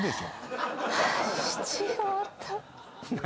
何？